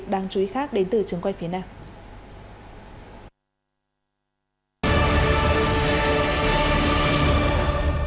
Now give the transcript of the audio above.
đáng chú ý khác đến từ trường quay phía nam